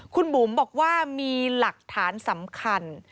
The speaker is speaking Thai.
คุณบุ๋มบอกว่ามีหลักฐานสำคัญ